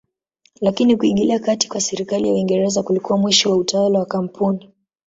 Lakini kuingilia kati kwa serikali ya Uingereza kulikuwa mwisho wa utawala wa kampuni.